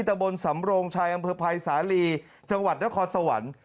ตะบนสำโรงชัยอำเภอภัยสาลีจังหวัดนครสวรรค์